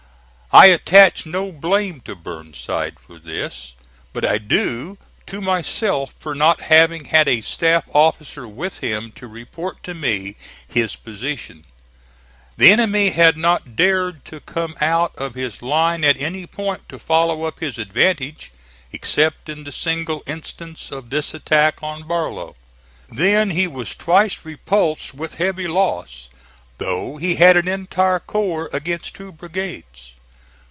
I attach no blame to Burnside for this, but I do to myself for not having had a staff officer with him to report to me his position. The enemy had not dared to come out of his line at any point to follow up his advantage, except in the single instance of his attack on Barlow. Then he was twice repulsed with heavy loss, though he had an entire corps against two brigades.